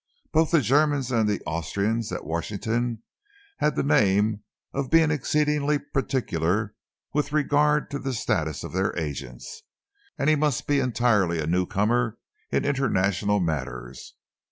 Both the Germans and the Austrians at Washington had the name of being exceedingly particular with regard to the status of their agents, and he must be entirely a newcomer in international matters.